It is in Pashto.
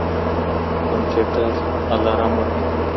کمپيوټر الارم وهي.